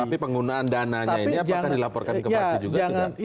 tetapi penggunaan dananya ini apakah dilaporkan kefraksi